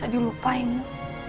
aku bisa dilupain ma